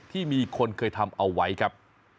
ที่มีคนเคยทำเอาไว้ครับ